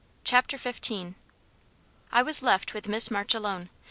CHAPTER XV I was left with Miss March alone.